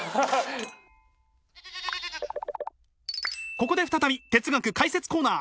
ここで再び哲学解説コーナー。